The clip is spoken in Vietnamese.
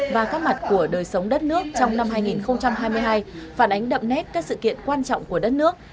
và các mặt của đời sống đất nước trong năm hai nghìn hai mươi hai phản ánh đậm nét các sự kiện quan trọng của đất nước